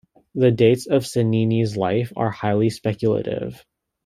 The dates of Cennini's life are highly speculative.